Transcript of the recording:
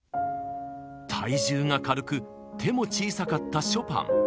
体重が軽く手も小さかったショパン。